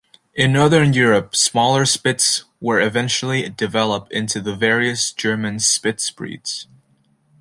In Northern Europe, smaller Spitz were eventually developed into the various German Spitz breeds.